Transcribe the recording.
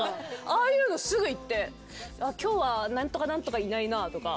ああいうのすぐ行って「今日は何とか何とかいないな」とか。